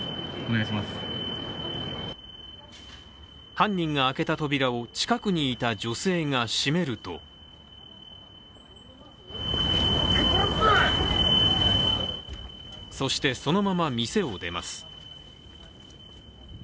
犯人が開けた扉を近くにいた女性が閉めるとそして、そのまま店を出ます。